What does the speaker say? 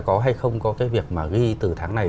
có hay không có cái việc mà ghi từ tháng này